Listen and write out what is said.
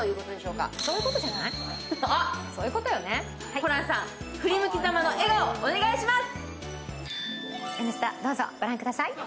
ホランさん、振り向きざまの笑顔お願いします。